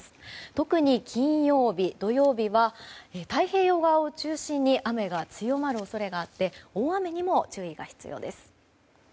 特に金曜日、土曜日は太平洋側を中心に雨が強まる恐れがあって大雨にも注意が必要です。